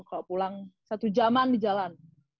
kalau pulang satu jaman di jalan